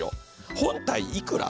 本体いくら？